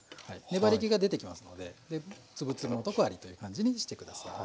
粘りけが出てきますので粒々のとこありという感じにして下さい。